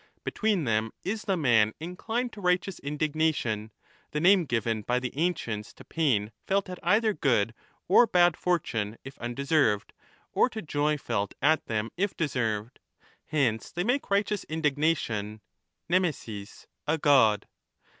Between them is the man inclined to righteous indignation, the name given by the ancients to pain felt at either good I 25 or bad fortune if undeserved, or to joy felt at them if deserved. Hence they make righteous indignation (veixecns) a god.